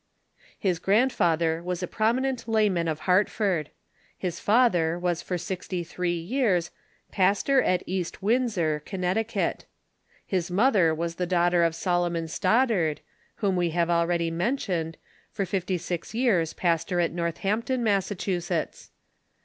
His grandfather was a jirominent layman of Hartford. His father was for sixty three years pastor at East Windsor, Connecticut. His mother was the daughter of Solomon Stoddard, whom we have already mentioned, for fifty six years pastor at North ampton, Massachusetts.